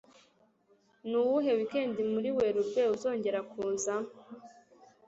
Nuwuhe wikendi muri Werurwe uzongera kuza?